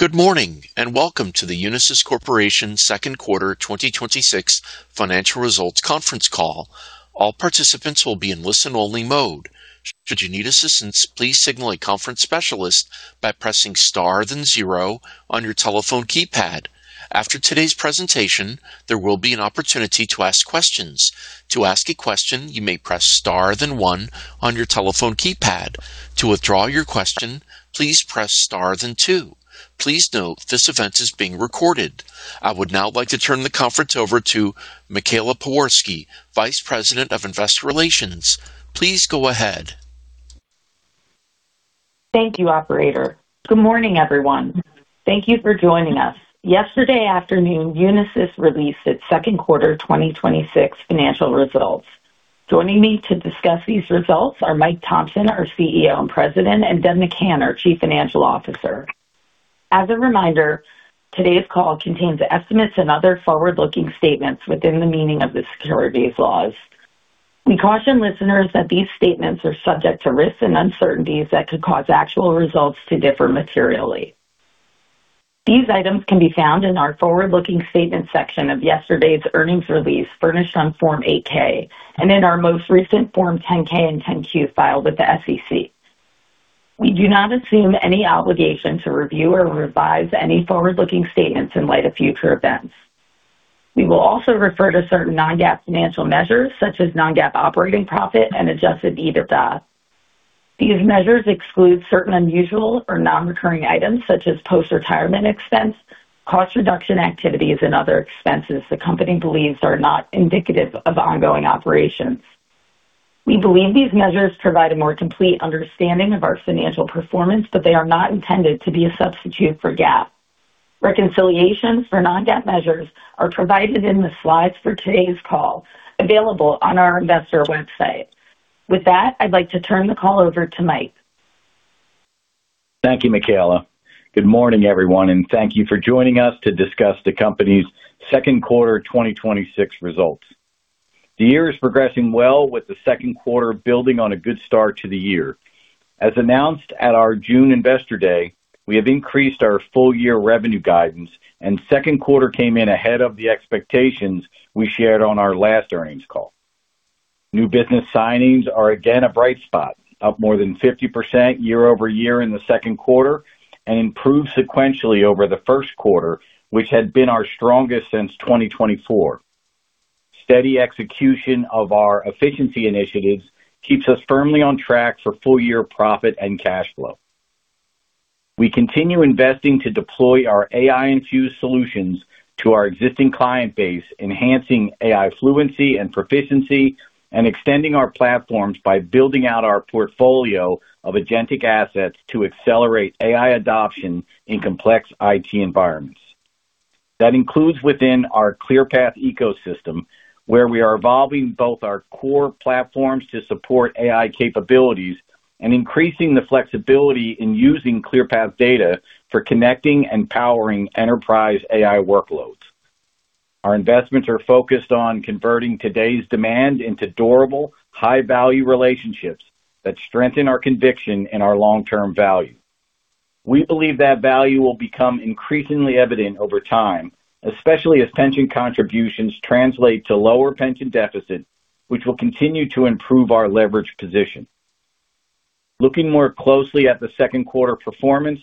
Good morning, and welcome to the Unisys Corporation second quarter 2026 financial results conference call. All participants will be in listen-only mode. Should you need assistance, please signal a conference specialist by pressing star then zero on your telephone keypad. After today's presentation, there will be an opportunity to ask questions. To ask a question, you may press star then one on your telephone keypad. To withdraw your question, please press star then two. Please note this event is being recorded. I would now like to turn the conference over to Michaela Pewarski, Vice President of Investor Relations. Please go ahead. Thank you, operator. Good morning, everyone. Thank you for joining us. Yesterday afternoon, Unisys released its second quarter 2026 financial results. Joining me to discuss these results are Mike Thomson, our CEO and President, and Deb McCann, our Chief Financial Officer. As a reminder, today's call contains estimates and other forward-looking statements within the meaning of the securities laws. We caution listeners that these statements are subject to risks and uncertainties that could cause actual results to differ materially. These items can be found in our forward-looking statements section of yesterday's earnings release furnished on Form 8-K, and in our most recent Form 10-K and Form 10-Q filed with the SEC. We do not assume any obligation to review or revise any forward-looking statements in light of future events. We will also refer to certain non-GAAP financial measures, such as non-GAAP operating profit and adjusted EBITDA. These measures exclude certain unusual or non-recurring items such as post-retirement expense, cost reduction activities, and other expenses the company believes are not indicative of ongoing operations. We believe these measures provide a more complete understanding of our financial performance, but they are not intended to be a substitute for GAAP. Reconciliations for non-GAAP measures are provided in the slides for today's call, available on our investor website. With that, I'd like to turn the call over to Mike. Thank you, Michaela. Good morning, everyone, and thank you for joining us to discuss the company's second quarter 2026 results. The year is progressing well with the second quarter building on a good start to the year. As announced at our June Investor Day, we have increased our full-year revenue guidance, and second quarter came in ahead of the expectations we shared on our last earnings call. New business signings are again a bright spot, up more than 50% year-over-year in the second quarter, and improved sequentially over the first quarter, which had been our strongest since 2024. Steady execution of our efficiency initiatives keeps us firmly on track for full-year profit and cash flow. We continue investing to deploy our AI-infused solutions to our existing client base, enhancing AI fluency and proficiency, and extending our platforms by building out our portfolio of agentic assets to accelerate AI adoption in complex IT environments. That includes within our ClearPath ecosystem, where we are evolving both our core platforms to support AI capabilities and increasing the flexibility in using ClearPath data for connecting and powering enterprise AI workloads. Our investments are focused on converting today's demand into durable, high-value relationships that strengthen our conviction in our long-term value. We believe that value will become increasingly evident over time, especially as pension contributions translate to lower pension deficits, which will continue to improve our leverage position. Looking more closely at the second quarter performance,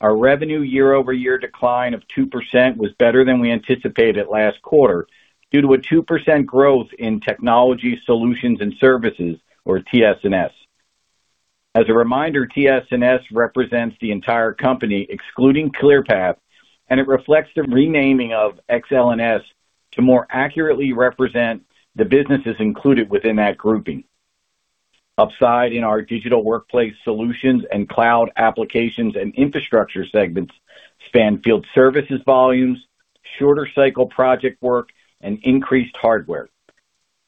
our revenue year-over-year decline of 2% was better than we anticipated last quarter, due to a 2% growth in Technology Solutions & Services or TS&S. As a reminder, TS&S represents the entire company excluding ClearPath, and it reflects the renaming of XLNS to more accurately represent the businesses included within that grouping. Upside in our Digital Workplace Solutions and Cloud, Applications, and Infrastructure segments span field services volumes, shorter cycle project work, and increased hardware.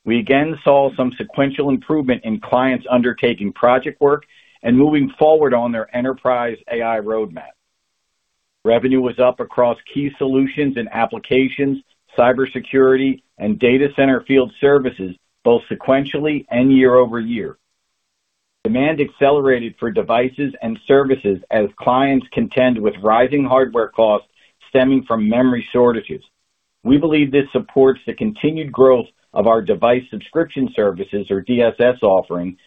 We again saw some sequential improvement in clients undertaking project work and moving forward on their enterprise AI roadmap. Revenue was up across key solutions and applications, cybersecurity, and data center field services, both sequentially and year-over-year. Demand accelerated for devices and services as clients contend with rising hardware costs stemming from memory shortages. We believe this supports the continued growth of our Device Subscription Service, or DSS offering,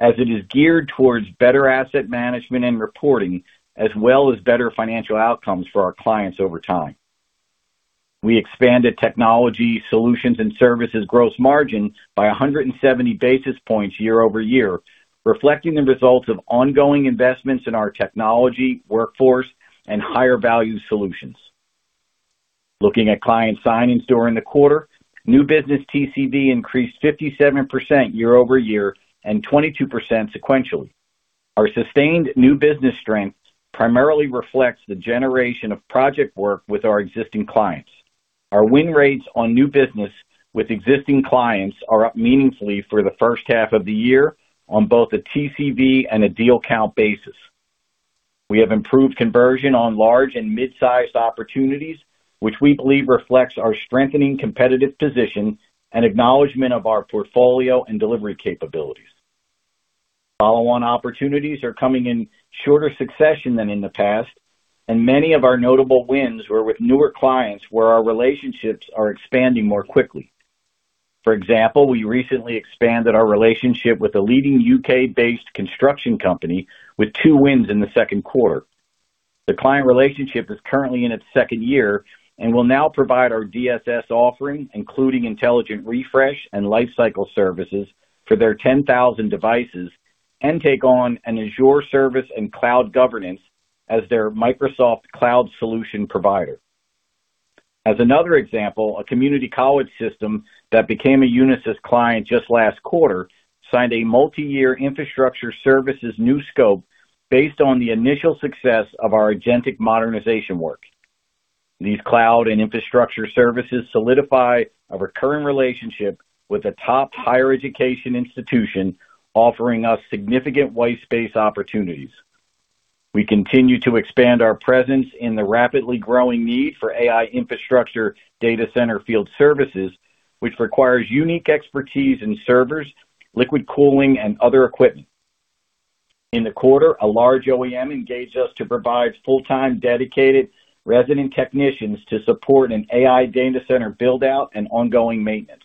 as it is geared towards better asset management and reporting, as well as better financial outcomes for our clients over time. We expanded Technology Solutions & Services gross margin by 170 basis points year-over-year, reflecting the results of ongoing investments in our technology workforce and higher value solutions. Looking at client signings during the quarter, new business TCV increased 57% year-over-year and 22% sequentially. Our sustained new business strength primarily reflects the generation of project work with our existing clients. Our win rates on new business with existing clients are up meaningfully for the first half of the year on both a TCV and a deal count basis. We have improved conversion on large and mid-sized opportunities, which we believe reflects our strengthening competitive position and acknowledgment of our portfolio and delivery capabilities. Follow-on opportunities are coming in shorter succession than in the past, and many of our notable wins were with newer clients where our relationships are expanding more quickly. For example, we recently expanded our relationship with a leading U.K. Based construction company with two wins in the second quarter. The client relationship is currently in its second year and will now provide our DSS offering, including intelligent refresh and lifecycle services, for their 10,000 devices, and take on an Azure service and cloud governance as their Microsoft Cloud solution provider. As another example, a community college system that became a Unisys client just last quarter signed a multi-year infrastructure services new scope based on the initial success of our agentic modernization work. These cloud and infrastructure services solidify a recurring relationship with a top higher education institution, offering us significant white space opportunities. We continue to expand our presence in the rapidly growing need for AI infrastructure data center field services, which requires unique expertise in servers, liquid cooling, and other equipment. In the quarter, a large OEM engaged us to provide full-time dedicated resident technicians to support an AI data center build-out and ongoing maintenance.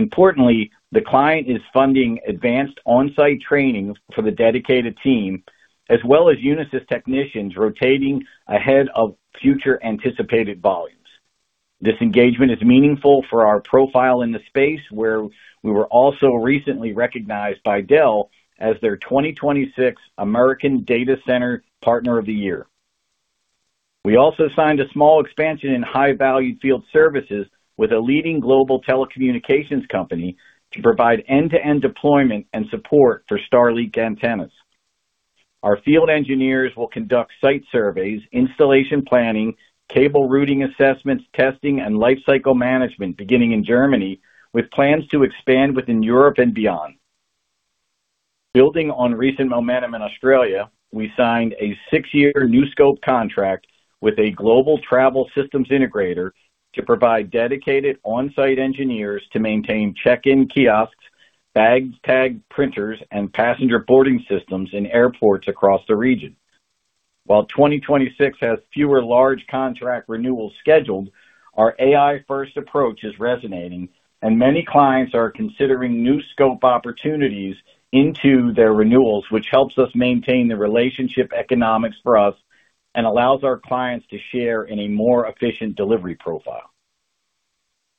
Importantly, the client is funding advanced on-site training for the dedicated team, as well as Unisys technicians rotating ahead of future anticipated volumes. This engagement is meaningful for our profile in the space, where we were also recently recognized by Dell as their 2026 American Data Center Partner of the Year. We also signed a small expansion in high-value field services with a leading global telecommunications company to provide end-to-end deployment and support for Starlink antennas. Our field engineers will conduct site surveys, installation planning, cable routing assessments, testing, and lifecycle management beginning in Germany, with plans to expand within Europe and beyond. Building on recent momentum in Australia, we signed a six-year new scope contract with a global travel systems integrator to provide dedicated on-site engineers to maintain check-in kiosks, bag tag printers, and passenger boarding systems in airports across the region. While 2026 has fewer large contract renewals scheduled, our AI-first approach is resonating, and many clients are considering new scope opportunities into their renewals, which helps us maintain the relationship economics for us and allows our clients to share in a more efficient delivery profile.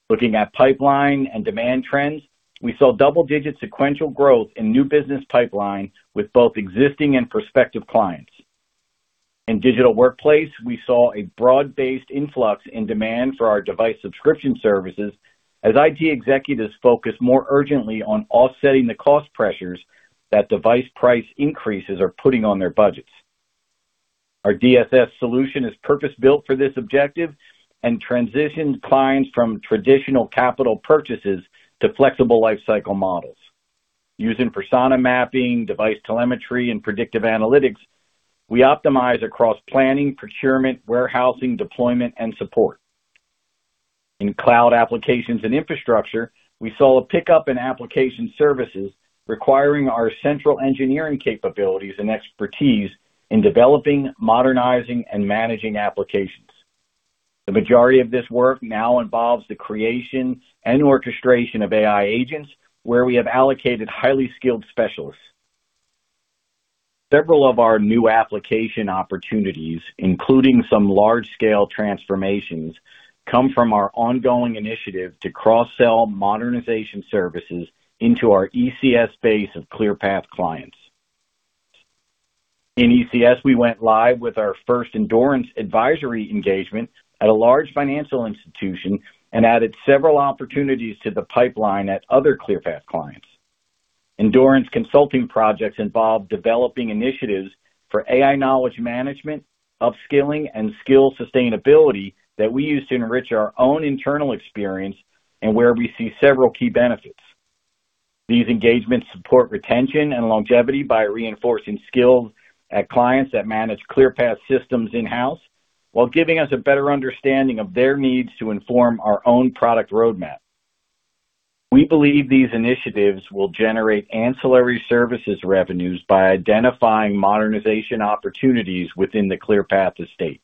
Looking at pipeline and demand trends, we saw double-digit sequential growth in new business pipeline with both existing and prospective clients. In digital workplace, we saw a broad-based influx in demand for our device subscription services as IT executives focus more urgently on offsetting the cost pressures that device price increases are putting on their budgets. Our DSS solution is purpose-built for this objective and transitions clients from traditional capital purchases to flexible lifecycle models. Using persona mapping, device telemetry, and predictive analytics, we optimize across planning, procurement, warehousing, deployment, and support. In cloud applications and infrastructure, we saw a pickup in application services requiring our central engineering capabilities and expertise in developing, modernizing, and managing applications. The majority of this work now involves the creation and orchestration of AI agents, where we have allocated highly skilled specialists. Several of our new application opportunities, including some large-scale transformations, come from our ongoing initiative to cross-sell modernization services into our ECS base of ClearPath clients. In ECS, we went live with our first Endurance advisory engagement at a large financial institution and added several opportunities to the pipeline at other ClearPath clients. Endurance consulting projects involve developing initiatives for AI knowledge management, upskilling, and skill sustainability that we use to enrich our own internal experience and where we see several key benefits. These engagements support retention and longevity by reinforcing skills at clients that manage ClearPath systems in-house while giving us a better understanding of their needs to inform our own product roadmap. We believe these initiatives will generate ancillary services revenues by identifying modernization opportunities within the ClearPath estate.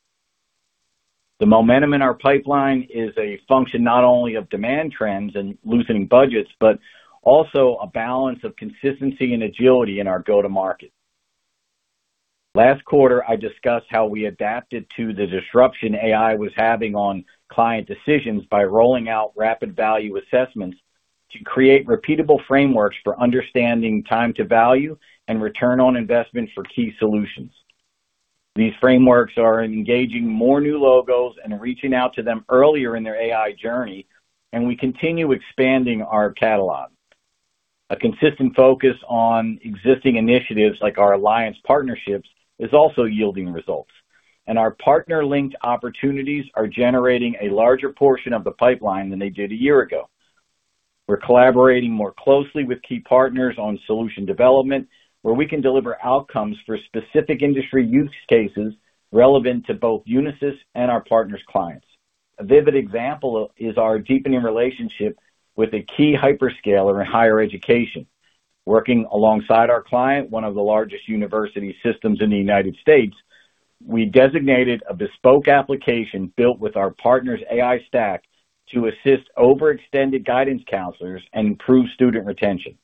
The momentum in our pipeline is a function not only of demand trends and loosening budgets, but also a balance of consistency and agility in our go-to-market. Last quarter, I discussed how we adapted to the disruption AI was having on client decisions by rolling out rapid value assessments to create repeatable frameworks for understanding time to value and return on investment for key solutions. These frameworks are engaging more new logos and reaching out to them earlier in their AI journey, and we continue expanding our catalog. A consistent focus on existing initiatives like our alliance partnerships is also yielding results, and our partner-linked opportunities are generating a larger portion of the pipeline than they did a year ago. We're collaborating more closely with key partners on solution development, where we can deliver outcomes for specific industry use cases relevant to both Unisys and our partners' clients. A vivid example is our deepening relationship with a key hyperscaler in higher education. Working alongside our client, one of the largest university systems in the United States, we designated a bespoke application built with our partner's AI stack to assist overextended guidance counselors and improve student retention.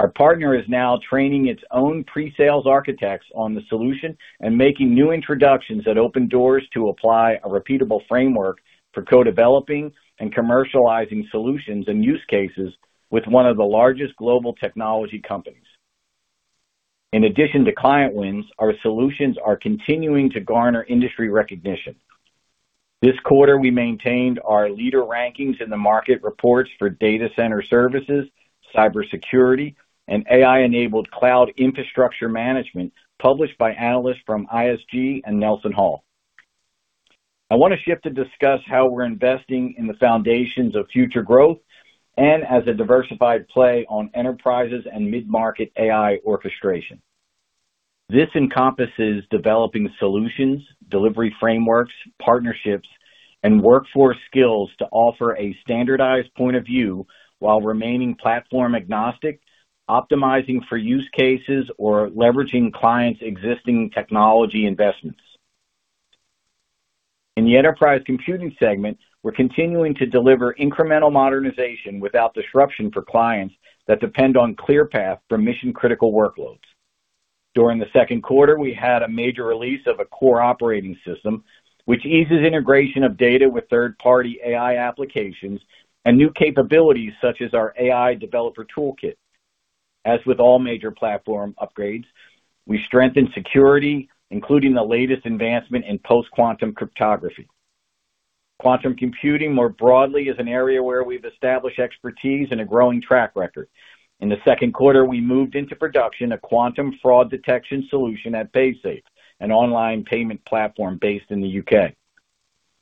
Our partner is now training its own pre-sales architects on the solution and making new introductions that open doors to apply a repeatable framework for co-developing and commercializing solutions and use cases with one of the largest global technology companies. In addition to client wins, our solutions are continuing to garner industry recognition. This quarter, we maintained our leader rankings in the market reports for data center services, cybersecurity, and AI-enabled cloud infrastructure management, published by analysts from ISG and NelsonHall. I want to shift to discuss how we're investing in the foundations of future growth and as a diversified play on enterprises and mid-market AI orchestration. This encompasses developing solutions, delivery frameworks, partnerships, and workforce skills to offer a standardized point of view while remaining platform-agnostic, optimizing for use cases, or leveraging clients' existing technology investments. In the enterprise computing segment, we're continuing to deliver incremental modernization without disruption for clients that depend on ClearPath for mission-critical workloads. During the second quarter, we had a major release of a core operating system, which eases integration of data with third-party AI applications, and new capabilities such as our AI developer toolkit. As with all major platform upgrades, we strengthened security, including the latest advancement in post-quantum cryptography. Quantum computing, more broadly, is an area where we've established expertise and a growing track record. In the second quarter, we moved into production a quantum fraud detection solution at Paysafe, an online payment platform based in the U.K.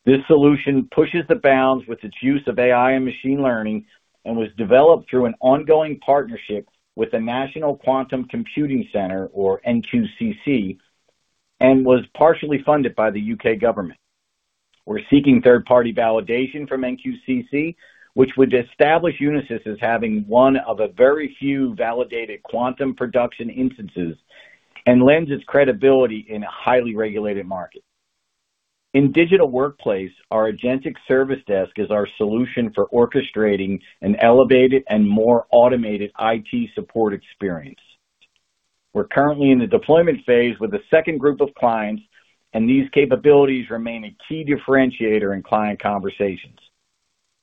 This solution pushes the bounds with its use of AI and machine learning, and was developed through an ongoing partnership with the National Quantum Computing Centre, or NQCC, and was partially funded by the U.K. government. We're seeking third-party validation from NQCC, which would establish Unisys as having one of a very few validated quantum production instances and lends its credibility in a highly regulated market. In digital workplace, our Agentic Service Desk is our solution for orchestrating an elevated and more automated IT support experience. We're currently in the deployment phase with a second group of clients, and these capabilities remain a key differentiator in client conversations.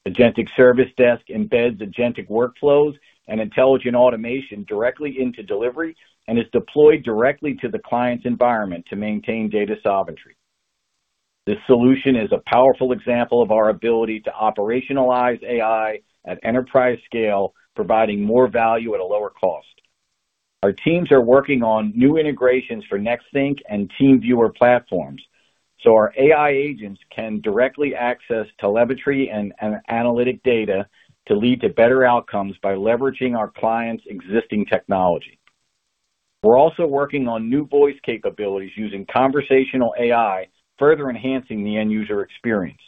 Agentic Service Desk embeds agentic workflows and intelligent automation directly into delivery and is deployed directly to the client's environment to maintain data sovereignty. This solution is a powerful example of our ability to operationalize AI at enterprise scale, providing more value at a lower cost. Our teams are working on new integrations for Nexthink and TeamViewer platforms, so our AI agents can directly access telemetry and analytic data to lead to better outcomes by leveraging our clients' existing technology. We are also working on new voice capabilities using conversational AI, further enhancing the end-user experience.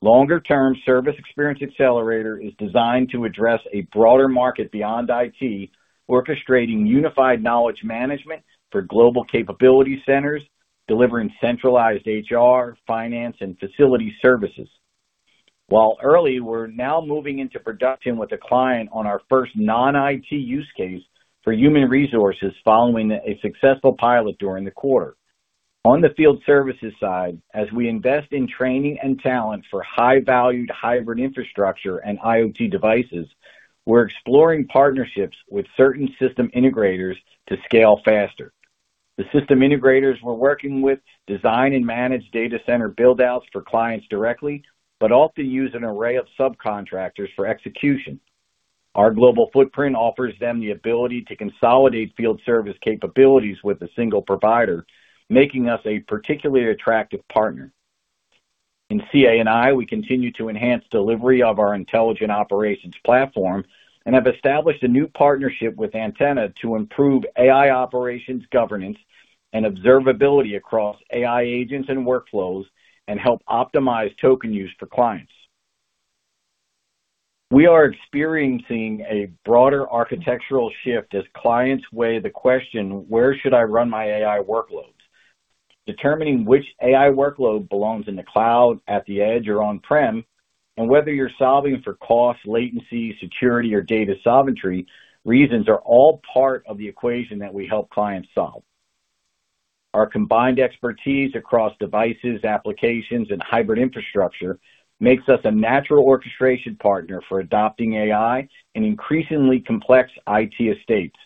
Longer-term Service Experience Accelerator is designed to address a broader market beyond IT, orchestrating unified knowledge management for global capability centers, delivering centralized HR, finance, and facility services. While early, we are now moving into production with a client on our first non-IT use case for human resources following a successful pilot during the quarter. On the field services side, as we invest in training and talent for high-value hybrid infrastructure and IoT devices, we are exploring partnerships with certain system integrators to scale faster. The system integrators we are working with design and manage data center build-outs for clients directly, often use an array of subcontractors for execution. Our global footprint offers them the ability to consolidate field service capabilities with a single provider, making us a particularly attractive partner. In CA&I, we continue to enhance delivery of our intelligent operations platform and have established a new partnership with Antenna to improve AI operations governance and observability across AI agents and workflows and help optimize token use for clients. We are experiencing a broader architectural shift as clients weigh the question, where should I run my AI workloads? Determining which AI workload belongs in the cloud, at the edge, or on-prem, and whether you are solving for cost, latency, security, or data sovereignty reasons are all part of the equation that we help clients solve. Our combined expertise across devices, applications, and hybrid infrastructure makes us a natural orchestration partner for adopting AI in increasingly complex IT estates,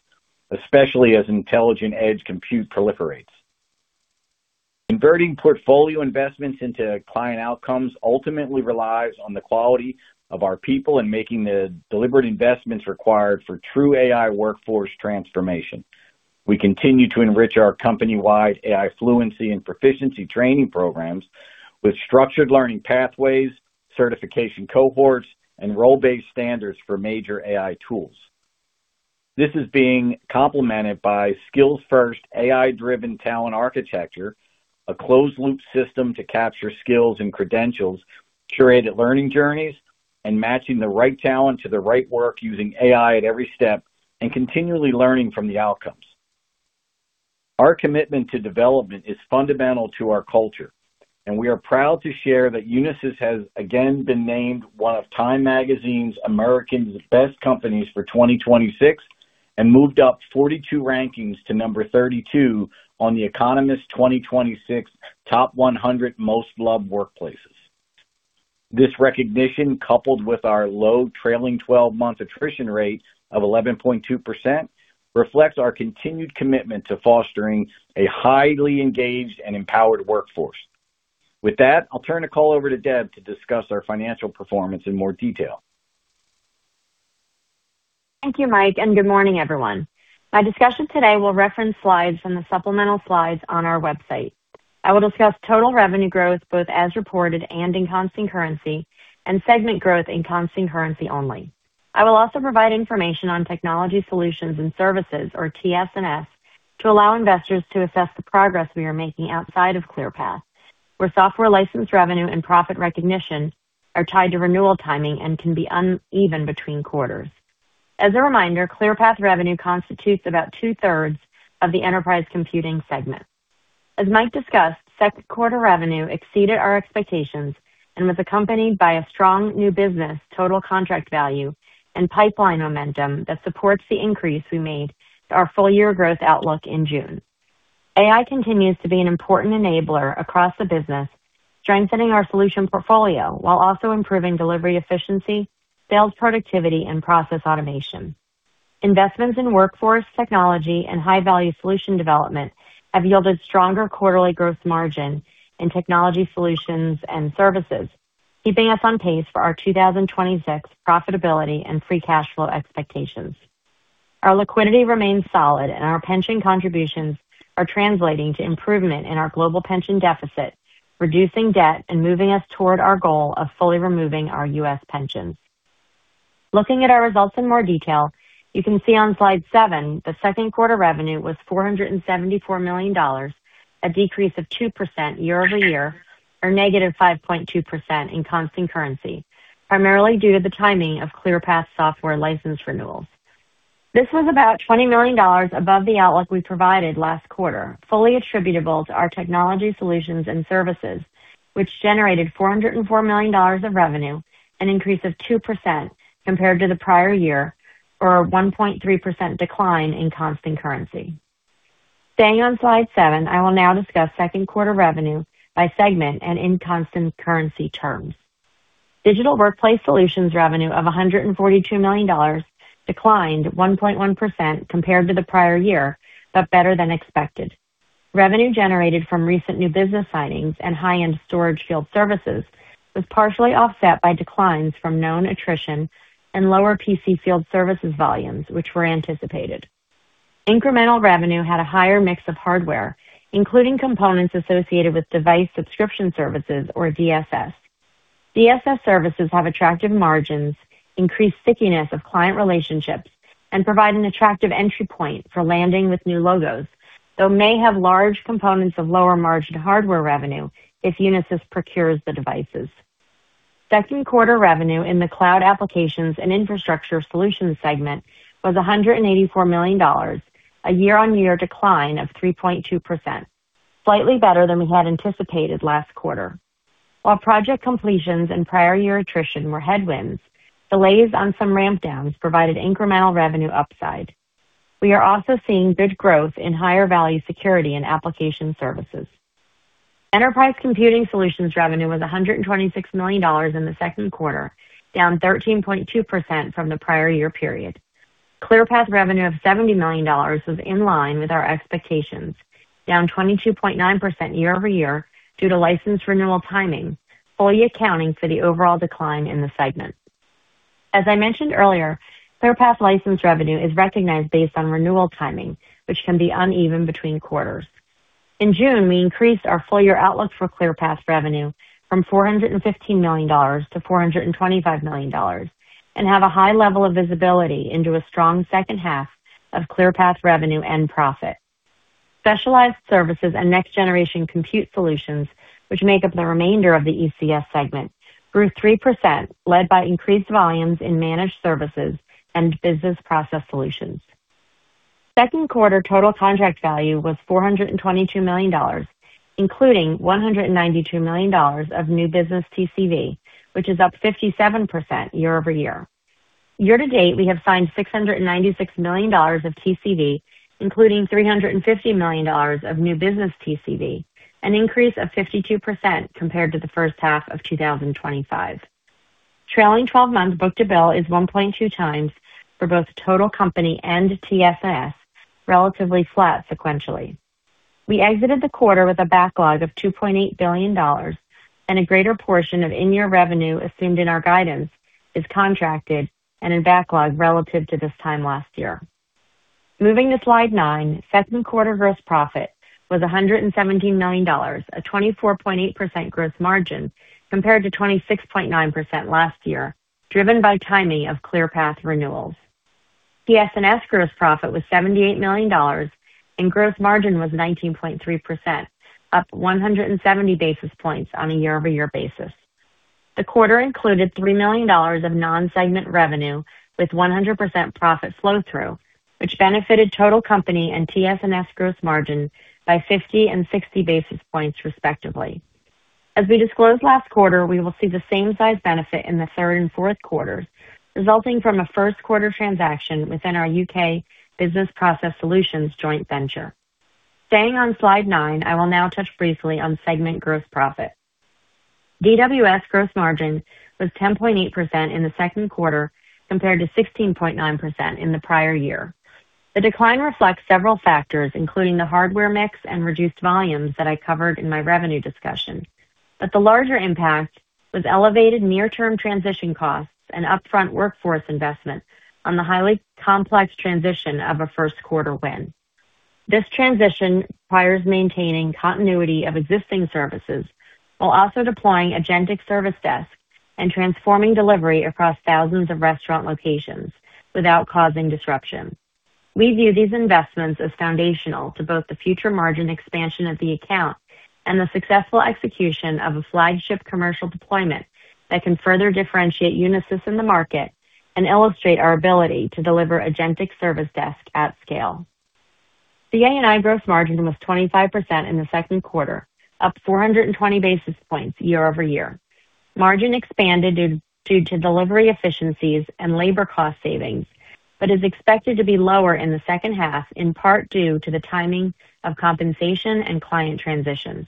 especially as intelligent edge compute proliferates. Converting portfolio investments into client outcomes ultimately relies on the quality of our people and making the deliberate investments required for true AI workforce transformation. We continue to enrich our company-wide AI fluency and proficiency training programs with structured learning pathways, certification cohorts, and role-based standards for major AI tools. This is being complemented by skills-first, AI-driven talent architecture, a closed-loop system to capture skills and credentials, curated learning journeys, and matching the right talent to the right work using AI at every step, continually learning from the outcomes. Our commitment to development is fundamental to our culture, we are proud to share that Unisys has again been named one of Time Magazine's America's Best Companies for 2026 and moved up 42 rankings to number 32 on The Economist's 2026 top 100 Most Loved Workplaces. This recognition, coupled with our low trailing 12-month attrition rate of 11.2%, reflects our continued commitment to fostering a highly engaged and empowered workforce. With that, I will turn the call over to Deb to discuss our financial performance in more detail. Thank you, Mike, and good morning, everyone. My discussion today will reference slides from the supplemental slides on our website. I will discuss total revenue growth, both as reported and in constant currency, and segment growth in constant currency only. I will also provide information on Technology Solutions & Services, or TS&S, to allow investors to assess the progress we are making outside of ClearPath, where software license revenue and profit recognition are tied to renewal timing and can be uneven between quarters. As a reminder, ClearPath revenue constitutes about 2/3 of the enterprise computing segment. As Mike discussed, second quarter revenue exceeded our expectations and was accompanied by a strong new business total contract value and pipeline momentum that supports the increase we made to our full-year growth outlook in June. AI continues to be an important enabler across the business, strengthening our solution portfolio while also improving delivery efficiency, sales productivity, and process automation. Investments in workforce technology and high-value solution development have yielded stronger quarterly growth margin in Technology Solutions & Services, keeping us on pace for our 2026 profitability and free cash flow expectations. Our liquidity remains solid, and our pension contributions are translating to improvement in our global pension deficit, reducing debt, and moving us toward our goal of fully removing our U.S. pensions. Looking at our results in more detail, you can see on slide seven that second quarter revenue was $474 million, a decrease of 2% year-over-year or -5.2% in constant currency, primarily due to the timing of ClearPath software license renewals. This was about $20 million above the outlook we provided last quarter, fully attributable to our Technology Solutions & Services, which generated $404 million of revenue, an increase of 2% compared to the prior year or a 1.3% decline in constant currency. Staying on slide seven, I will now discuss second quarter revenue by segment and in constant currency terms. Digital Workplace Solutions revenue of $142 million declined 1.1% compared to the prior year, but better than expected. Revenue generated from recent new business signings and high-end storage field services was partially offset by declines from known attrition and lower PC field services volumes, which were anticipated. Incremental revenue had a higher mix of hardware, including components associated with Device Subscription Service or DSS. DSS services have attractive margins, increase stickiness of client relationships, and provide an attractive entry point for landing with new logos, though may have large components of lower-margin hardware revenue if Unisys procures the devices. Second quarter revenue in the Cloud, Applications, and Infrastructure Solutions segment was $184 million, a year-on-year decline of 3.2%, slightly better than we had anticipated last quarter. While project completions and prior year attrition were headwinds, delays on some ramp downs provided incremental revenue upside. We are also seeing good growth in higher value security and application services. Enterprise Computing Solutions revenue was $126 million in the second quarter, down 13.2% from the prior year period. ClearPath revenue of $70 million was in line with our expectations, down 22.9% year-over-year due to license renewal timing, fully accounting for the overall decline in the segment. As I mentioned earlier, ClearPath license revenue is recognized based on renewal timing, which can be uneven between quarters. In June, we increased our full-year outlook for ClearPath revenue from $415 million-$425 million and have a high level of visibility into a strong second half of ClearPath revenue and profit. Specialized services and next-generation compute solutions, which make up the remainder of the ECS segment, grew 3%, led by increased volumes in managed services and Business Process Solutions. Second quarter total contract value was $422 million, including $192 million of new business TCV, which is up 57% year-over-year. Year-to-date, we have signed $696 million of TCV, including $350 million of new business TCV, an increase of 52% compared to the first half of 2025. Trailing 12 months book-to-bill is 1.2x for both total company and TS&S, relatively flat sequentially. We exited the quarter with a backlog of $2.8 billion and a greater portion of in-year revenue assumed in our guidance is contracted and in backlog relative to this time last year. Moving to slide nine, second quarter gross profit was $117 million, a 24.8% gross margin compared to 26.9% last year, driven by timing of ClearPath renewals. TS&S gross profit was $78 million and gross margin was 19.3%, up 170 basis points on a year-over-year basis. The quarter included $3 million of non-segment revenue with 100% profit flow through, which benefited total company and TS&S gross margin by 50 and 60 basis points respectively. As we disclosed last quarter, we will see the same size benefit in the third and fourth quarters, resulting from a first quarter transaction within our U.K. Business Process Solutions joint venture. Staying on slide nine, I will now touch briefly on segment gross profit. DWS gross margin was 10.8% in the second quarter, compared to 16.9% in the prior year. The decline reflects several factors, including the hardware mix and reduced volumes that I covered in my revenue discussion. But the larger impact was elevated near-term transition costs and upfront workforce investment on the highly complex transition of a first-quarter win. This transition requires maintaining continuity of existing services while also deploying Agentic Service Desk and transforming delivery across thousands of restaurant locations without causing disruption. We view these investments as foundational to both the future margin expansion of the account and the successful execution of a flagship commercial deployment that can further differentiate Unisys in the market and illustrate our ability to deliver Agentic Service Desk at scale. CA&I gross margin was 25% in the second quarter, up 420 basis points year-over-year. Margin expanded due to delivery efficiencies and labor cost savings, but is expected to be lower in the second half, in part due to the timing of compensation and client transitions.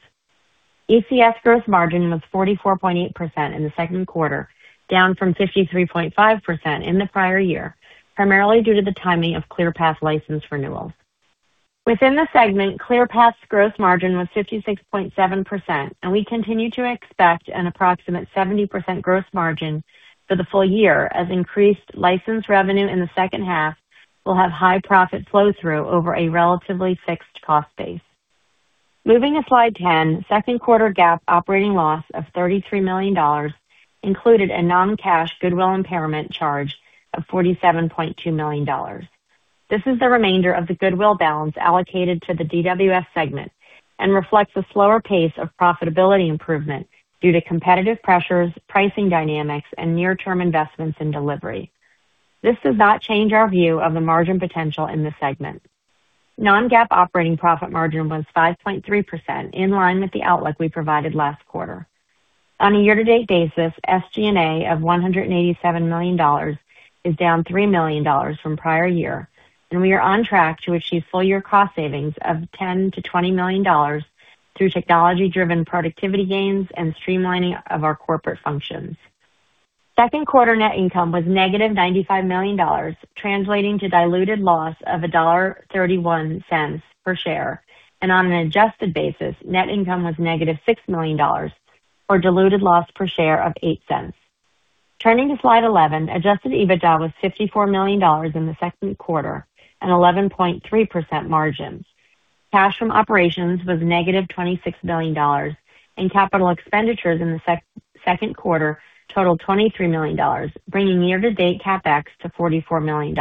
ECS gross margin was 44.8% in the second quarter, down from 53.5% in the prior year, primarily due to the timing of ClearPath license renewals. Within the segment, ClearPath's gross margin was 56.7%, and we continue to expect an approximate 70% gross margin for the full-year, as increased license revenue in the second half will have high profit flow through over a relatively fixed cost base. Moving to slide 10, second quarter GAAP operating loss of $33 million included a non-cash goodwill impairment charge of $47.2 million. This is the remainder of the goodwill balance allocated to the Digital Workplace Solutions segment and reflects a slower pace of profitability improvement due to competitive pressures, pricing dynamics, and near-term investments in delivery. This does not change our view of the margin potential in the segment. Non-GAAP operating profit margin was 5.3%, in line with the outlook we provided last quarter. On a year-to-date basis, SG&A of $187 million is down $3 million from prior year, and we are on track to achieve full-year cost savings of $10 million-$20 million through technology-driven productivity gains and streamlining of our corporate functions. Second quarter net income was -$95 million, translating to diluted loss of $1.31 per share. On an adjusted basis, net income was -$6 million, or diluted loss per share of $0.08. Turning to slide 11, adjusted EBITDA was $54 million in the second quarter and 11.3% margin. Cash from operations was -$26 million and capital expenditures in the second quarter totaled $23 million, bringing year-to-date CapEx to $44 million.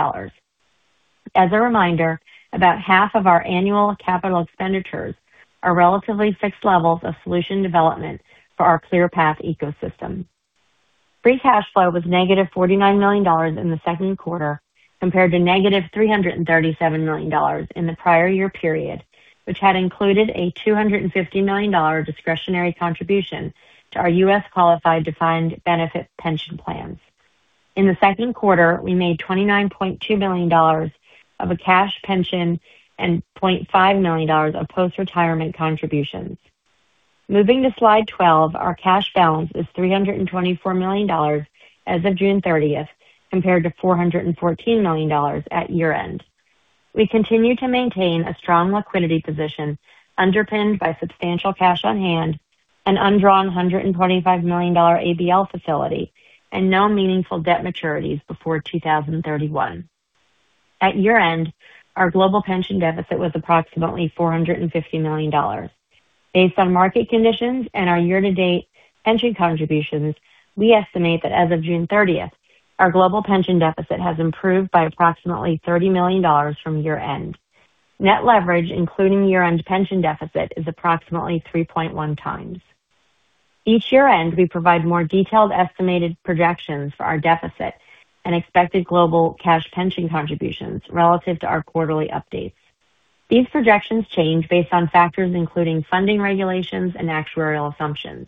As reminder, about half of our annual capital expenditures are relatively fixed levels of solution development for our ClearPath ecosystem. Free cash flow was -$49 million in the second quarter, compared to -$337 million in the prior year period, which had included a $250 million discretionary contribution to our U.S. qualified defined benefit pension plans. In the second quarter, we made $29.2 million of a cash pension and $0.5 million of post-retirement contributions. Moving to slide 12, our cash balance is $324 million as of June 30th, compared to $414 million at year-end. We continue to maintain a strong liquidity position underpinned by substantial cash on hand, an undrawn $125 million ABL facility, and no meaningful debt maturities before 2031. At year-end, our global pension deficit was approximately $450 million. Based on market conditions and our year-to-date pension contributions, we estimate that as of June 30th, our global pension deficit has improved by approximately $30 million from year-end. Net leverage, including year-end pension deficit, is approximately 3.1x. Each year-end, we provide more detailed estimated projections for our deficit and expected global cash pension contributions relative to our quarterly updates. These projections change based on factors including funding regulations and actuarial assumptions.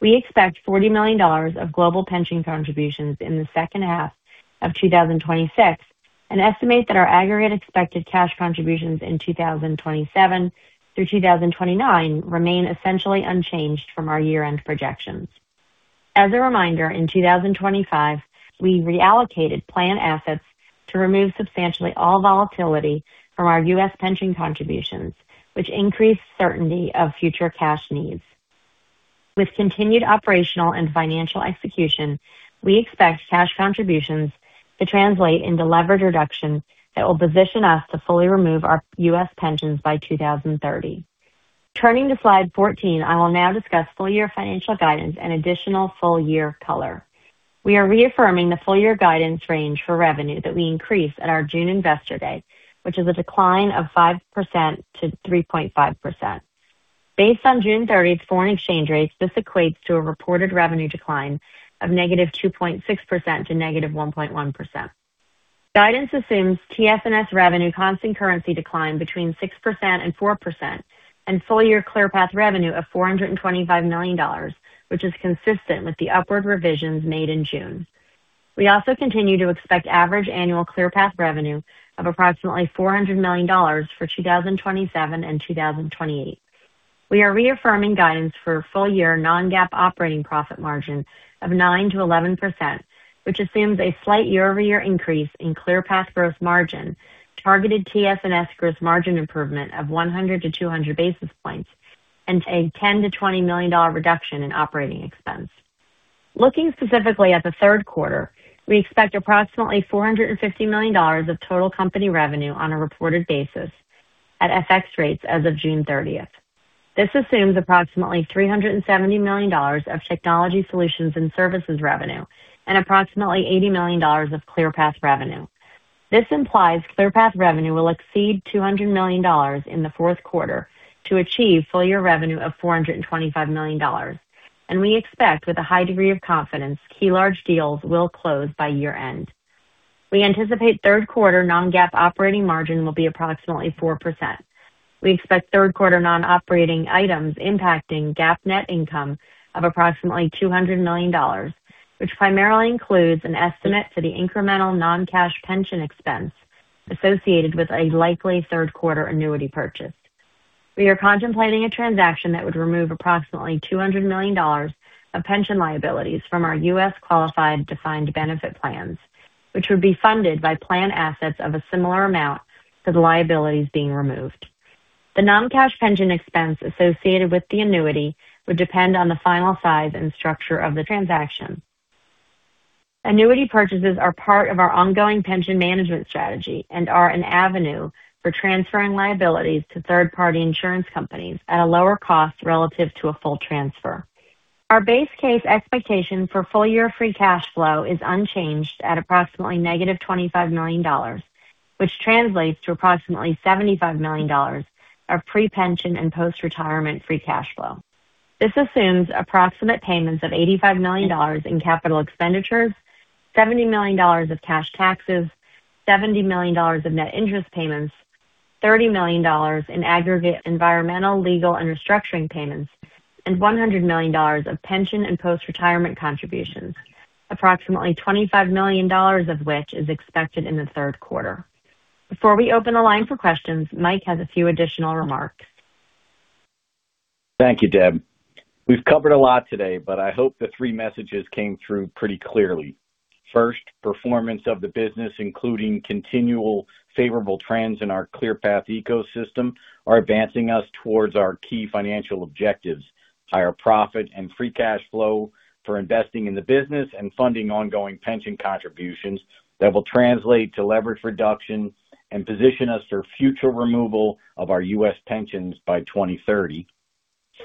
We expect $40 million of global pension contributions in the second half of 2026 and estimate that our aggregate expected cash contributions in 2027 through 2029 remain essentially unchanged from our year-end projections. As a reminder, in 2025, we reallocated plan assets to remove substantially all volatility from our U.S. pension contributions, which increased certainty of future cash needs. With continued operational and financial execution, we expect cash contributions to translate into leverage reduction that will position us to fully remove our U.S. pensions by 2030. Turning to slide 14, I will now discuss full-year financial guidance and additional full-year color. We are reaffirming the full-year guidance range for revenue that we increased at our June Investor Day, which is a decline of 5%-3.5%. Based on June 30th foreign exchange rates, this equates to a reported revenue decline of -2.6% to -1.1%. Guidance assumes TS&S revenue constant currency decline between 6% and 4%, and full-year ClearPath revenue of $425 million, which is consistent with the upward revisions made in June. We also continue to expect average annual ClearPath revenue of approximately $400 million for 2027 and 2028. We are reaffirming guidance for full-year non-GAAP operating profit margin of 9%-11%, which assumes a slight year-over-year increase in ClearPath gross margin, targeted TS&S gross margin improvement of 100-200 basis points, and a $10 million-$20 million reduction in operating expense. Looking specifically at the third quarter, we expect approximately $450 million of total company revenue on a reported basis at FX rates as of June 30th. This assumes approximately $370 million of Technology Solutions & Services revenue and approximately $80 million of ClearPath revenue. This implies ClearPath revenue will exceed $200 million in the fourth quarter to achieve full-year revenue of $425 million, and we expect with a high degree of confidence key large deals will close by year-end. We anticipate third-quarter non-GAAP operating margin will be approximately 4%. We expect third-quarter non-operating items impacting GAAP net income of approximately $200 million, which primarily includes an estimate for the incremental non-cash pension expense associated with a likely third-quarter annuity purchase. We are contemplating a transaction that would remove approximately $200 million of pension liabilities from our U.S. qualified defined benefit plans, which would be funded by plan assets of a similar amount to the liabilities being removed. The non-cash pension expense associated with the annuity would depend on the final size and structure of the transaction. Annuity purchases are part of our ongoing pension management strategy and are an avenue for transferring liabilities to third-party insurance companies at a lower cost relative to a full transfer. Our base case expectation for full-year free cash flow is unchanged at approximately -$25 million, which translates to approximately $75 million of pre-pension and post-retirement free cash flow. This assumes approximate payments of $85 million in capital expenditures, $70 million of cash taxes, $70 million of net interest payments, $30 million in aggregate environmental, legal, and restructuring payments, and $100 million of pension and post-retirement contributions, approximately $25 million of which is expected in the third quarter. Before we open the line for questions, Mike has a few additional remarks. Thank you, Deb. We've covered a lot today, but I hope the three messages came through pretty clearly. First, performance of the business, including continual favorable trends in our ClearPath ecosystem, are advancing us towards our key financial objectives, higher profit and free cash flow for investing in the business and funding ongoing pension contributions that will translate to leverage reduction and position us for future removal of our U.S. pensions by 2030.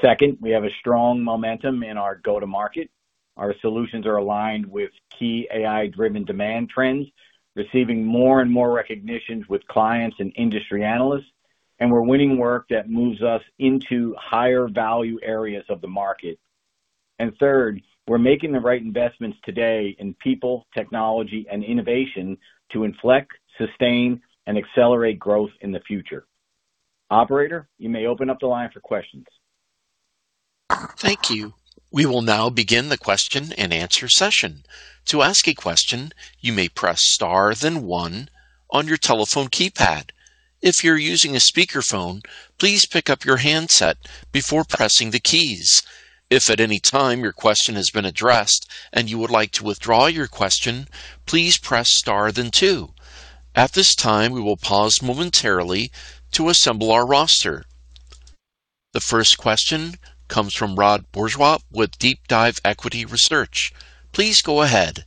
Second, we have a strong momentum in our go-to-market. Our solutions are aligned with key AI-driven demand trends, receiving more and more recognitions with clients and industry analysts, and we're winning work that moves us into higher value areas of the market. Third, we're making the right investments today in people, technology, and innovation to inflect, sustain, and accelerate growth in the future. Operator, you may open up the line for questions. Thank you. We will now begin the question-and-answer session. To ask a question, you may press star then one on your telephone keypad. If you're using a speakerphone, please pick up your handset before pressing the keys. If at any time your question has been addressed and you would like to withdraw your question, please press star then two. At this time, we will pause momentarily to assemble our roster. The first question comes from Rod Bourgeois with DeepDive Equity Research. Please go ahead.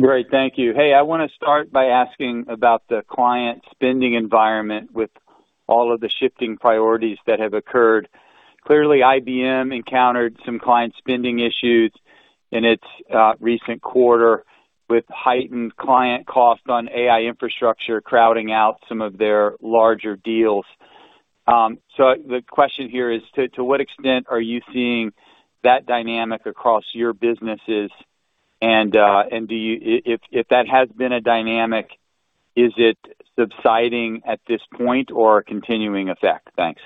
Great. Thank you. Hey, I want to start by asking about the client spending environment with all of the shifting priorities that have occurred. Clearly, IBM encountered some client spending issues in its recent quarter with heightened client cost on AI infrastructure crowding out some of their larger deals. The question here is, to what extent are you seeing that dynamic across your businesses? If that has been a dynamic, is it subsiding at this point or a continuing effect? Thanks.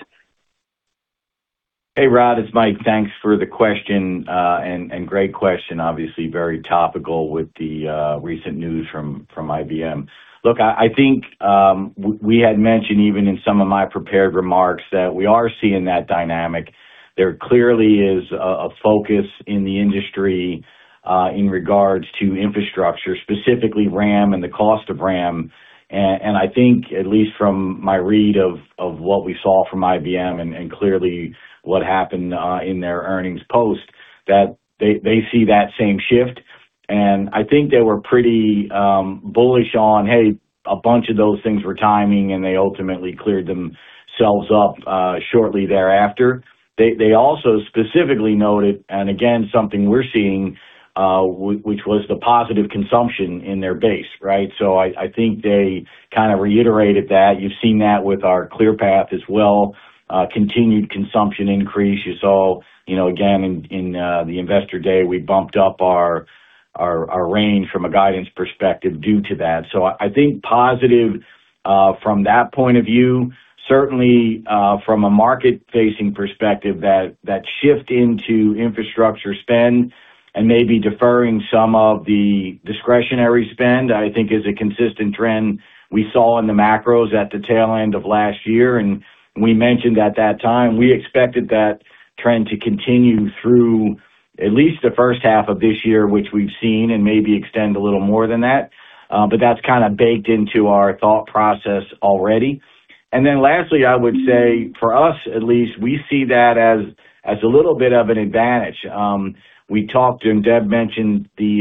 Hey, Rod, it's Mike. Thanks for the question, and great question. Obviously, very topical with the recent news from IBM. Look, I think we had mentioned, even in some of my prepared remarks, that we are seeing that dynamic. There clearly is a focus in the industry in regards to infrastructure, specifically RAM and the cost of RAM. I think, at least from my read of what we saw from IBM and clearly what happened in their earnings post, that they see that same shift. I think they were pretty bullish on, a bunch of those things were timing, and they ultimately cleared themselves up shortly thereafter. They also specifically noted, again, something we're seeing, which was the positive consumption in their base, right?. I think they kind of reiterated that. You've seen that with our ClearPath as well, continued consumption increase. You saw, again, in the Investor Day, we bumped up our range from a guidance perspective due to that. I think positive from that point of view. Certainly, from a market-facing perspective, that shift into infrastructure spend and maybe deferring some of the discretionary spend, I think is a consistent trend we saw in the macros at the tail end of last year. We mentioned at that time, we expected that trend to continue through at least the first half of this year, which we've seen, and maybe extend a little more than that. That's kind of baked into our thought process already. Lastly, I would say for us at least, we see that as a little bit of an advantage. We talked, and Deb mentioned the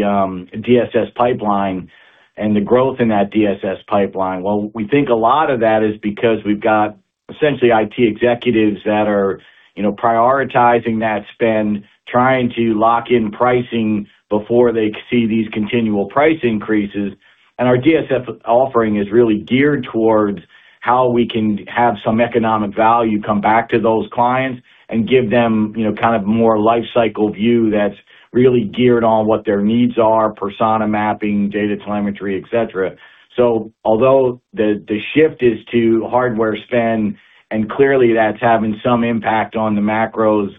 DSS pipeline and the growth in that DSS pipeline. We think a lot of that is because we've got essentially IT executives that are prioritizing that spend, trying to lock in pricing before they see these continual price increases. Our DSS offering is really geared towards how we can have some economic value come back to those clients and give them kind of more lifecycle view that's really geared on what their needs are, persona mapping, data telemetry, et cetera. Although the shift is to hardware spend, and clearly that's having some impact on the macros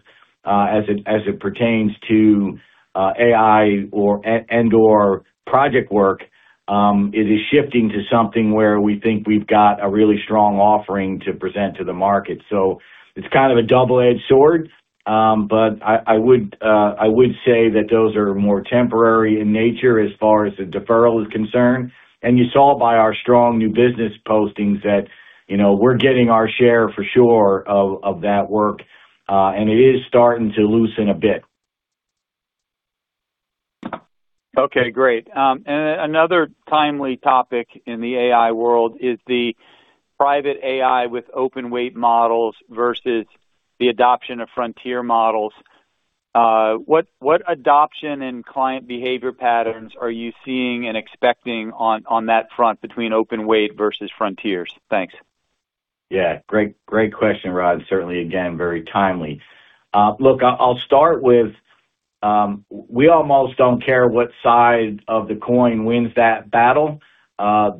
as it pertains to AI and/or project work, it is shifting to something where we think we've got a really strong offering to present to the market. It's kind of a double-edged sword. I would say that those are more temporary in nature as far as the deferral is concerned. You saw by our strong new business postings that we're getting our share for sure of that work, and it is starting to loosen a bit. Okay, great. Another timely topic in the AI world is the private AI with open-weight models versus the adoption of frontier models. What adoption and client behavior patterns are you seeing and expecting on that front between open-weight versus frontiers? Thanks. Yeah. Great question, Rod. Certainly, again, very timely. Look, I'll start with, we almost don't care what side of the coin wins that battle.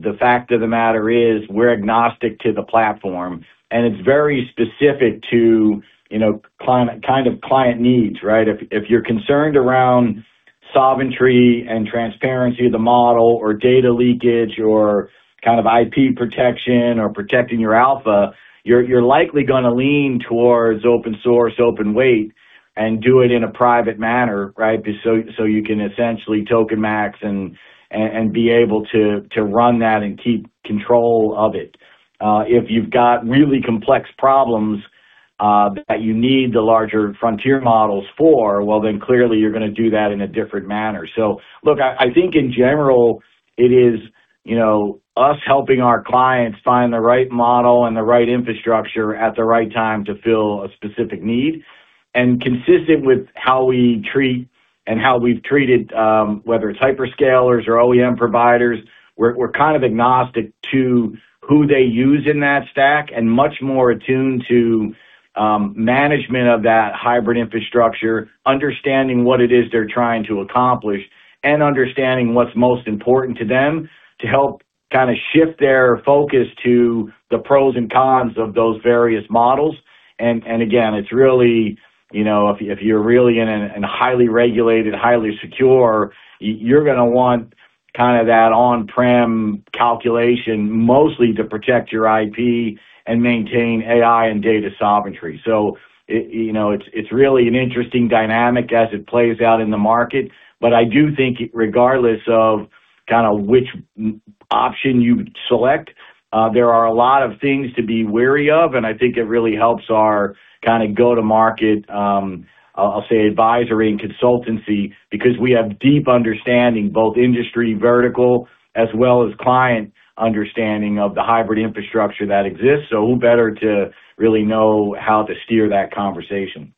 The fact of the matter is we're agnostic to the platform, and it's very specific to kind of client needs, right? If you're concerned around sovereignty and transparency of the model or data leakage or kind of IP protection or protecting your alpha, you're likely going to lean towards open source, open weight, and do it in a private manner, so you can essentially token max and be able to run that and keep control of it. If you've got really complex problems that you need the larger frontier models for, well then clearly you're going to do that in a different manner. Look, I think in general, it is, you know, us helping our clients find the right model and the right infrastructure at the right time to fill a specific need. Consistent with how we treat and how we've treated, whether it's hyperscalers or OEM providers, we're kind of agnostic to who they use in that stack and much more attuned to management of that hybrid infrastructure, understanding what it is they're trying to accomplish, and understanding what's most important to them to help kind of shift their focus to the pros and cons of those various models. Again, if you're really in a highly regulated, highly secure, you're going to want kind of that on-prem calculation mostly to protect your IP and maintain AI and data sovereignty. It's really an interesting dynamic as it plays out in the market. I do think regardless of kind of which option you select, there are a lot of things to be wary of, and I think it really helps our kind of go-to-market, I'll say advisory and consultancy, because we have deep understanding, both industry vertical as well as client understanding of the hybrid infrastructure that exists. Who better to really know how to steer that conversation?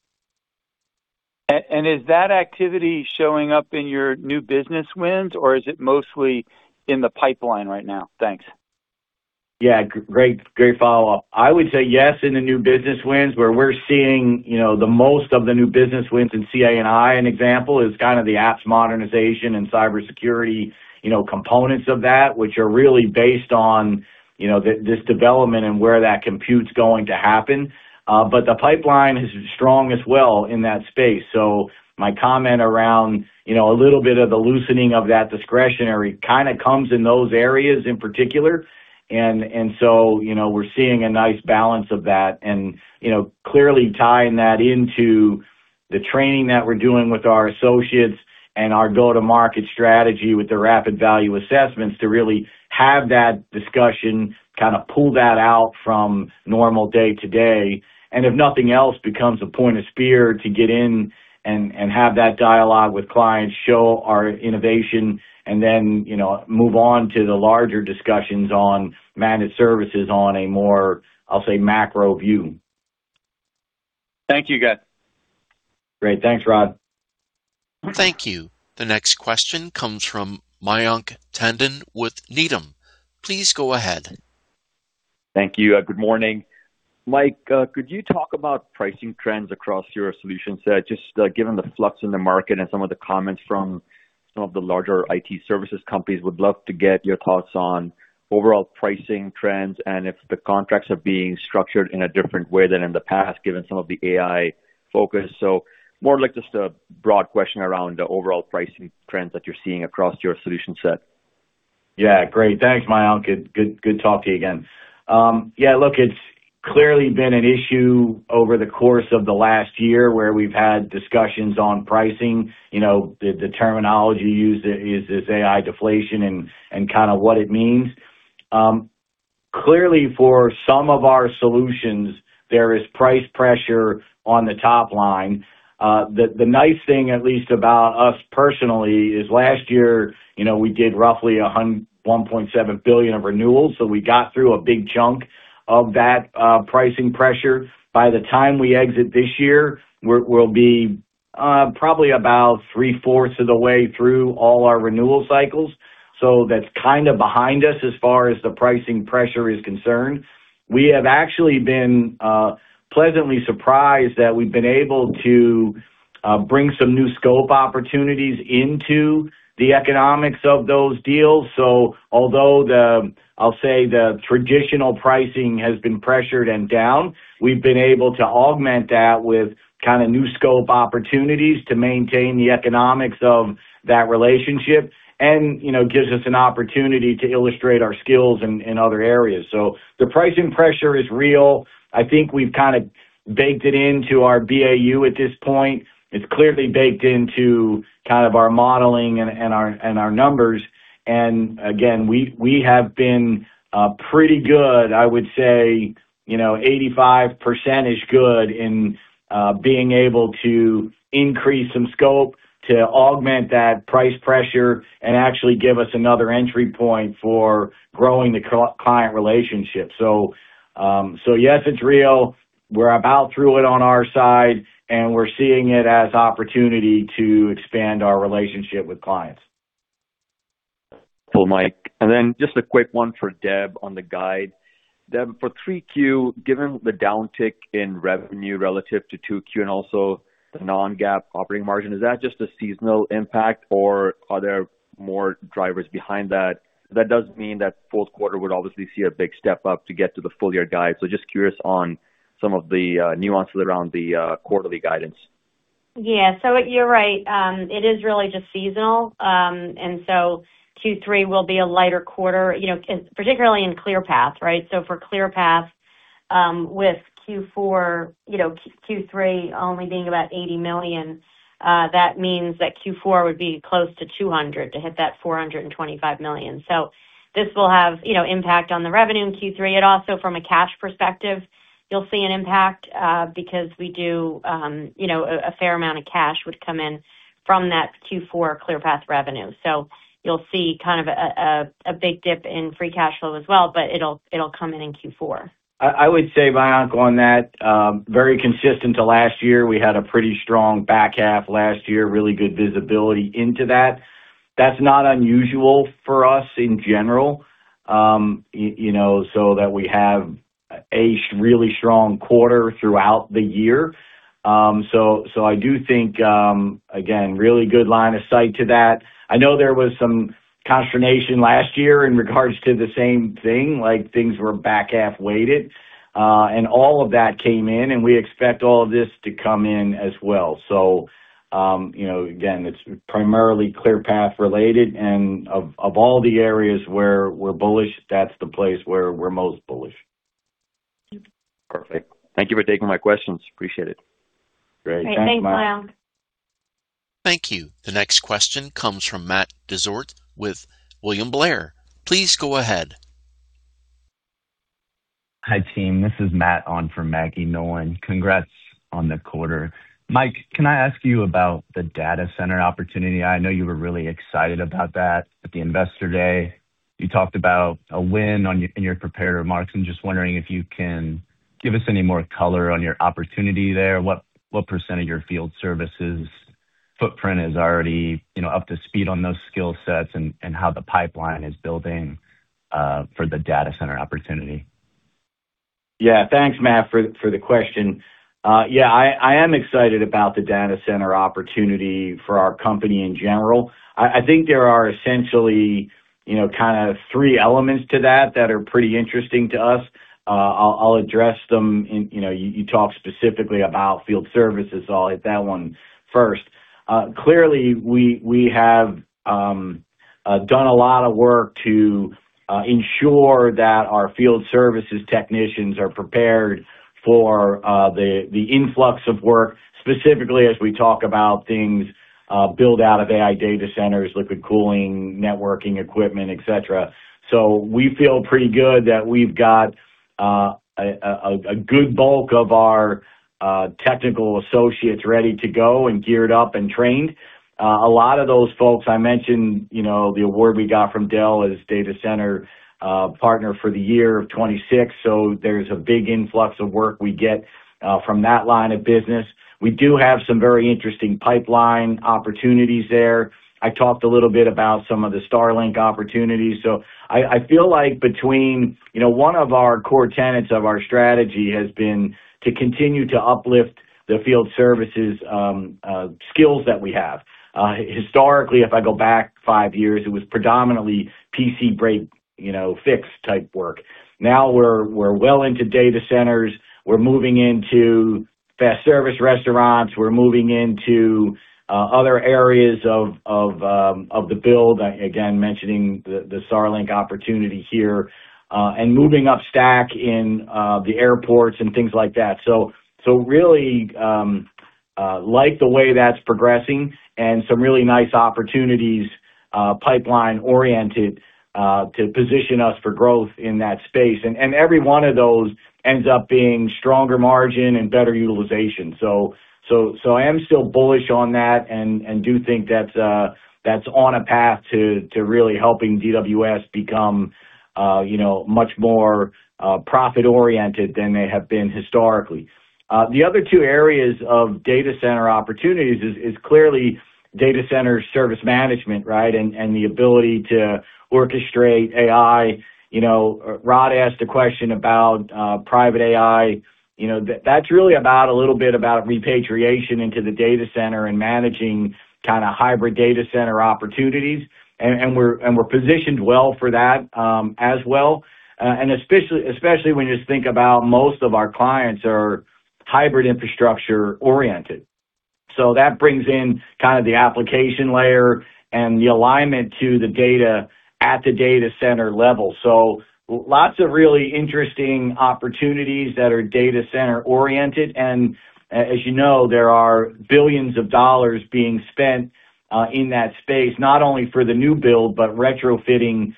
Is that activity showing up in your new business wins, or is it mostly in the pipeline right now? Thanks. Yeah. Great follow-up. I would say yes in the new business wins where we're seeing the most of the new business wins in CA&I. An example is kind of the apps modernization and cybersecurity components of that, which are really based on this development and where that compute's going to happen. The pipeline is strong as well in that space. My comment around a little bit of the loosening of that discretionary kind of comes in those areas in particular. We're seeing a nice balance of that and clearly tying that into the training that we're doing with our associates and our go-to-market strategy with the rapid value assessments to really have that discussion, kind of pull that out from normal day-to-day. If nothing else, becomes a point of spear to get in and have that dialogue with clients, show our innovation, and then move on to the larger discussions on managed services on a more, I'll say, macro view. Thank you, guys. Great. Thanks, Rod. Thank you. The next question comes from Mayank Tandon with Needham. Please go ahead. Thank you. Good morning. Mike, could you talk about pricing trends across your solution set, just given the flux in the market and some of the comments from some of the larger IT services companies, would love to get your thoughts on overall pricing trends and if the contracts are being structured in a different way than in the past, given some of the AI focus. More like just a broad question around the overall pricing trends that you're seeing across your solution set. Great. Thanks, Mayank. Good talking to you again. Look, it's clearly been an issue over the course of the last year where we've had discussions on pricing. The terminology used is this AI deflation and kind of what it means. Clearly for some of our solutions, there is price pressure on the top line. The nice thing, at least about us personally, is last year, we did roughly $1.7 billion of renewals. We got through a big chunk of that pricing pressure. By the time we exit this year, we'll be probably about three-fourths of the way through all our renewal cycles. That's kind of behind us as far as the pricing pressure is concerned. We have actually been pleasantly surprised that we've been able to bring some new scope opportunities into the economics of those deals. Although the, I'll say, the traditional pricing has been pressured and down, we've been able to augment that with kind of new scope opportunities to maintain the economics of that relationship and gives us an opportunity to illustrate our skills in other areas. The pricing pressure is real. I think we've kind of baked it into our BAU at this point. It's clearly baked into kind of our modeling and our numbers. Again, we have been pretty good, I would say, 85% good in being able to increase some scope to augment that price pressure and actually give us another entry point for growing the client relationship. Yes, it's real. We're about through it on our side, and we're seeing it as opportunity to expand our relationship with clients. Cool, Mike. Then just a quick one for Deb on the guide. Deb, for 3Q, given the downtick in revenue relative to 2Q and also the non-GAAP operating margin, is that just a seasonal impact or are there more drivers behind that? That does mean that fourth quarter would obviously see a big step up to get to the full-year guide. Just curious on some of the nuances around the quarterly guidance. Yeah. You're right. It is really just seasonal. Q3 will be a lighter quarter, particularly in ClearPath, right? For ClearPath, with Q3 only being about $80 million, that means that Q4 would be close to $200 million to hit that $425 million. This will have impact on the revenue in Q3. Also from a cash perspective, you'll see an impact, because we do a fair amount of cash would come in from that Q4 ClearPath revenue. You'll see kind of a big dip in free cash flow as well, but it'll come in in Q4. I would say, Mayank, on that, very consistent to last year. We had a pretty strong back half last year. Really good visibility into that. That's not unusual for us in general, so that we have a really strong quarter throughout the year. I do think, again, really good line of sight to that. I know there was some consternation last year in regards to the same thing, like things were back half weighted. All of that came in, and we expect all of this to come in as well. Again, it's primarily ClearPath related, and of all the areas where we're bullish, that's the place where we're most bullish. Perfect. Thank you for taking my questions. Appreciate it. Great. Thanks, Mayank. Thanks, Mayank. Thank you. The next question comes from Matt Dezort with William Blair. Please go ahead. Hi, team. This is Matt on for Maggie Nolan. Congrats on the quarter. Mike, can I ask you about the data center opportunity? I know you were really excited about that at the Investor Day. You talked about a win in your prepared remarks. I am just wondering if you can give us any more color on your opportunity there. What percentage of your field services footprint is already up to speed on those skill sets, and how the pipeline is building for the data center opportunity? Yeah. Thanks, Matt, for the question. Yeah, I am excited about the data center opportunity for our company in general. I think there are essentially kind of three elements to that that are pretty interesting to us. I will address them. You talked specifically about field services, I will hit that one first. Clearly, we have done a lot of work to ensure that our field services technicians are prepared for the influx of work, specifically as we talk about things build out of AI data centers, liquid cooling, networking equipment, et cetera. We feel pretty good that we have got a good bulk of our technical associates ready to go and geared up and trained. A lot of those folks, I mentioned the award we got from Dell as Data Center Partner for the year of 2026, so there's a big influx of work we get from that line of business. We do have some very interesting pipeline opportunities there. I talked a little bit about some of the Starlink opportunities. One of our core tenets of our strategy has been to continue to uplift the field services skills that we have. Historically, if I go back five years, it was predominantly PC break, fix type work. Now we're well into data centers. We're moving into fast service restaurants. We're moving into other areas of the build, again, mentioning the Starlink opportunity here. Moving up stack in the airports and things like that. Really like the way that's progressing and some really nice opportunities, pipeline-oriented, to position us for growth in that space. Every one of those ends up being stronger margin and better utilization. I am still bullish on that and do think that's on a path to really helping DWS become much more profit-oriented than they have been historically. The other two areas of data center opportunities is clearly data center service management, right? The ability to orchestrate AI. Rod asked a question about private AI. That's really about a little bit about repatriation into the data center and managing kind of hybrid data center opportunities. We're positioned well for that, as well, and especially when you think about most of our clients are hybrid infrastructure-oriented. That brings in kind of the application layer and the alignment to the data at the data center level. Lots of really interesting opportunities that are data center-oriented, and as you know, there are billions of dollars being spent in that space, not only for the new build, but retrofitting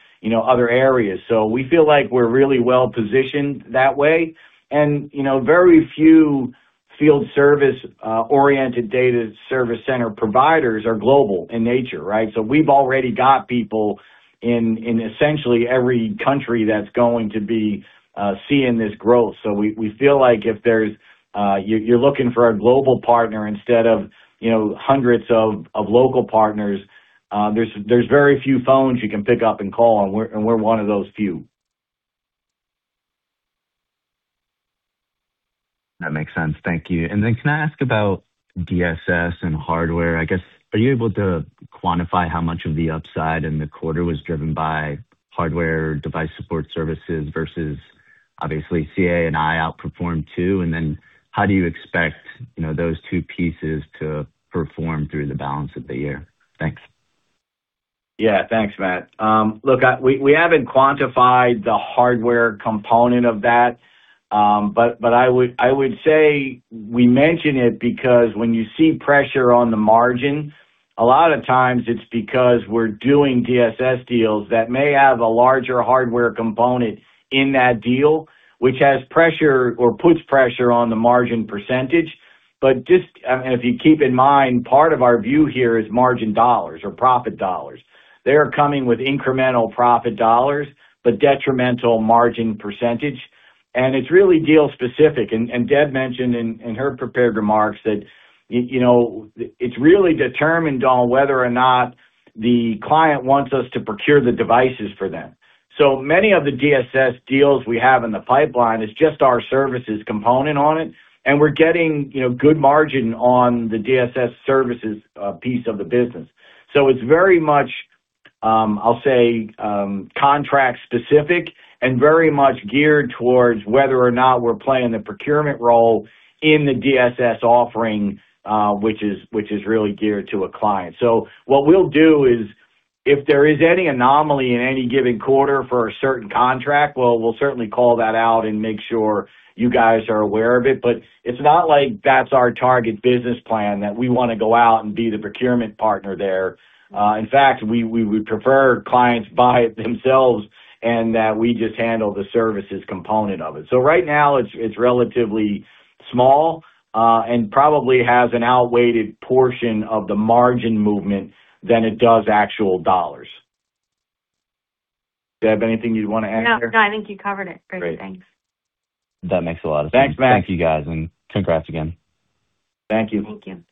other areas. We feel like we're really well-positioned that way. Very few field service-oriented data service center providers are global in nature, right? We've already got people in essentially every country that's going to be seeing this growth. We feel like if you're looking for a global partner instead of hundreds of local partners, there's very few phones you can pick up and call, and we're one of those few. That makes sense. Thank you. Can I ask about DSS and hardware? I guess, are you able to quantify how much of the upside in the quarter was driven by hardware device support services versus obviously CA&I outperformed too, and then how do you expect those two pieces to perform through the balance of the year? Thanks. Yeah. Thanks, Matt. Look, we haven't quantified the hardware component of that. I would say we mention it because when you see pressure on the margin, a lot of times it's because we're doing DSS deals that may have a larger hardware component in that deal, which has pressure or puts pressure on the margin percentage. Just, if you keep in mind, part of our view here is margin dollars or profit dollars. They're coming with incremental profit dollars, but detrimental margin percentage, and it's really deal-specific. Deb mentioned in her prepared remarks that it's really determined on whether or not the client wants us to procure the devices for them. Many of the DSS deals we have in the pipeline is just our services component on it, and we're getting good margin on the DSS services piece of the business. It's very much, I'll say, contract-specific and very much geared towards whether or not we're playing the procurement role in the DSS offering, which is really geared to a client. What we'll do is if there is any anomaly in any given quarter for a certain contract, we'll certainly call that out and make sure you guys are aware of it, but it's not like that's our target business plan, that we want to go out and be the procurement partner there. In fact, we would prefer clients buy it themselves and that we just handle the services component of it. Right now it's relatively small, and probably has an outweighted portion of the margin movement than it does actual dollars. Deb, anything you'd want to add here? No, I think you covered it. Great. Thanks. That makes a lot of sense. Thanks, Matt. Thank you, guys, and congrats again. Thank you. Thank you.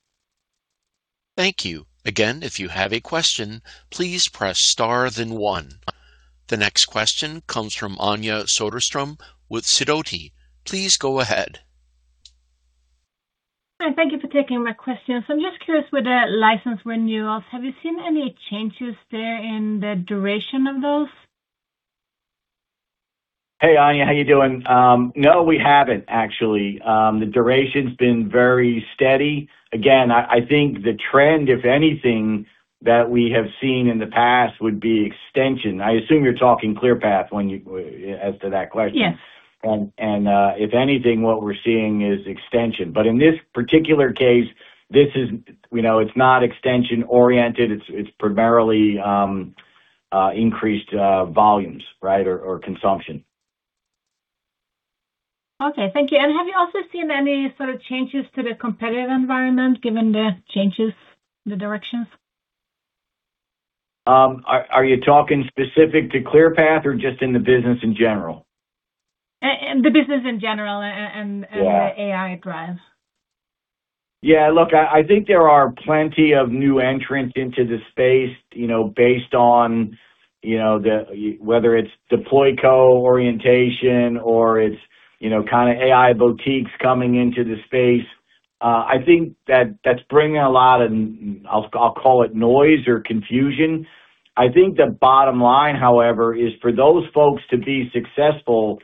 Thank you. Again, if you have a question, please press star then one. The next question comes from Anja Soderstrom with Sidoti. Please go ahead. Hi, thank you for taking my question. I am just curious, with the license renewals, have you seen any changes there in the duration of those? Hey, Anja, how you doing? No, we haven't, actually. The duration's been very steady. Again, I think the trend, if anything, that we have seen in the past would be extension. I assume you're talking ClearPath as to that question. Yes. If anything, what we're seeing is extension. In this particular case, it's not extension-oriented. It's primarily increased volumes or consumption. Okay, thank you. Have you also seen any sort of changes to the competitive environment given the changes, the directions? Are you talking specific to ClearPath or just in the business in general? The business in general. Yeah the AI drive. Look, I think there are plenty of new entrants into the space, based on whether it's deploy co-orientation or it's kind of AI boutiques coming into the space. I think that's bringing a lot of, I'll call it noise or confusion. I think the bottom line, however, is for those folks to be successful,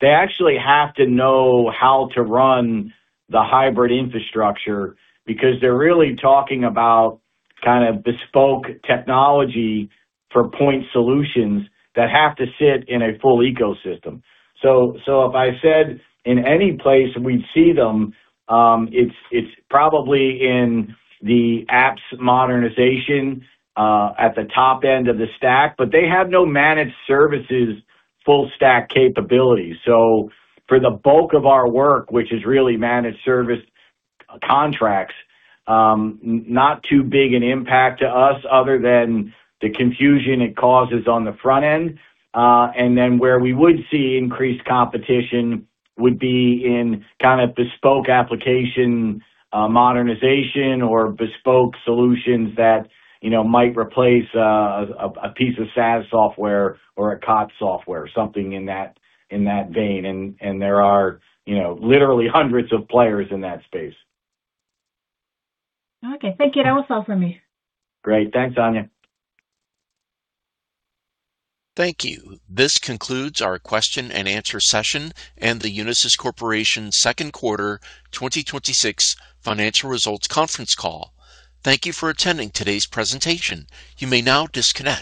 they actually have to know how to run the hybrid infrastructure because they're really talking about kind of bespoke technology for point solutions that have to sit in a full ecosystem. If I said in any place we'd see them, it's probably in the apps modernization, at the top end of the stack. They have no managed services, full stack capabilities. For the bulk of our work, which is really managed service contracts, not too big an impact to us other than the confusion it causes on the front end. Where we would see increased competition would be in kind of bespoke application modernization or bespoke solutions that might replace a piece of SaaS software or a COTS software, something in that vein. There are literally hundreds of players in that space. Okay. Thank you. That was all from me. Great. Thanks, Anja. Thank you. This concludes our question-and-answer session and the Unisys Corporation second quarter 2026 financial results conference call. Thank you for attending today's presentation. You may now disconnect.